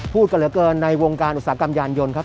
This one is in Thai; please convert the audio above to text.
พูดกันเหลือเกินในวงการอุตสาหกรรมยานยนต์ครับ